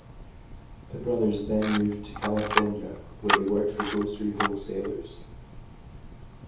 The brothers then moved to California where they worked for grocery wholesalers.